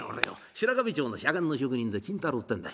白壁町の左官の職人で金太郎ってんだい。